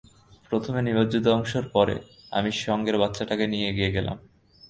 প্রথম নিমজ্জিত অংশের পরে, আমি সঙ্গের বাচ্চাটাকে নিয়ে এগিয়ে গেলাম।